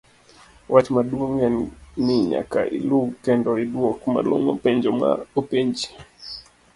wach maduong en ni nyaka ilu kendo iduok malong'o penjo ma openji.